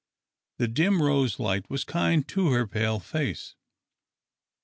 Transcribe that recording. The dim rose light was kind to her pale face.